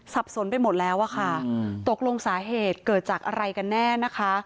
สนไปหมดแล้วอะค่ะตกลงสาเหตุเกิดจากอะไรกันแน่นะคะ